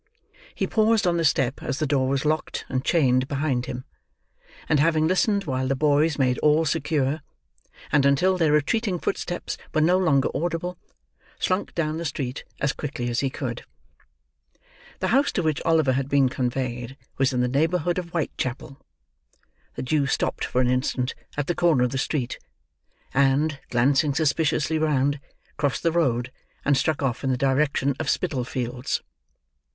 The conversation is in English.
He paused on the step as the door was locked and chained behind him; and having listened while the boys made all secure, and until their retreating footsteps were no longer audible, slunk down the street as quickly as he could. The house to which Oliver had been conveyed, was in the neighborhood of Whitechapel. The Jew stopped for an instant at the corner of the street; and, glancing suspiciously round, crossed the road, and struck off in the direction of the Spitalfields.